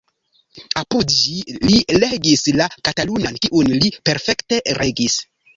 Apud ĝi li legis la katalunan, kiun li perfekte regis.